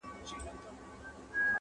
نه وزیر نه سلاکار یمه زما وروره!.